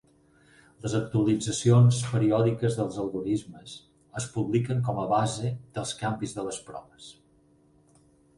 Les actualitzacions periòdiques dels algorismes es publiquen com a base dels canvis de les proves.